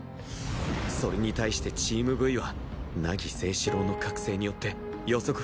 それに対してチーム Ｖ は凪誠士郎の覚醒によって予測不能の攻撃を見せる